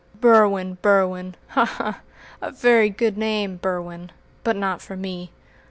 "Berwin! Berwin! Ha! ha! A very good name, Berwin, but not for me.